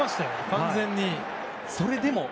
完全に。